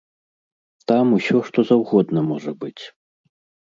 Там усё што заўгодна можа быць.